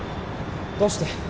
どうして？